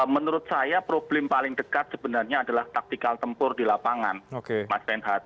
menurut saya problem paling dekat sebenarnya adalah taktikal tempur di lapangan mas reinhardt